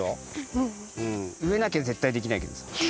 うえなきゃぜったいできないけどさ。